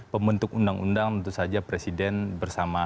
pembentuk undang undang tentu saja presiden bersama